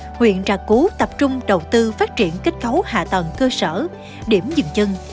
năm hai nghìn một mươi tám hai nghìn hai mươi huyện trà cú tập trung đầu tư phát triển kết cấu hạ tầng cơ sở điểm dừng chân